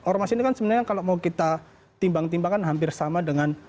ormas ini kan sebenarnya kalau mau kita timbang timbangkan hampir sama dengan